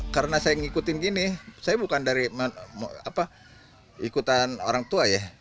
karena saya ngikutin gini saya bukan dari ikutan orang tua ya